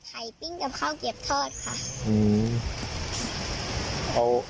ปิ้งกับข้าวเกียบทอดค่ะ